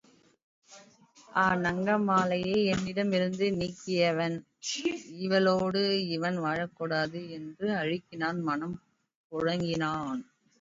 அநங்கமாலையை என்னிடமிருந்து நீக்கியவன் இவளோடு இவன் வாழக் கூடாது என்று அழுங்கினான் மனம் புழுங்கினான்.